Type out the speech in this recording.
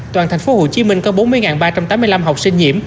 toàn thành phố hồ chí minh có bốn mươi ba trăm tám mươi năm học sinh nhiễm